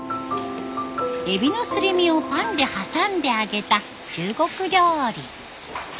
エビのすり身をパンで挟んで揚げた中国料理。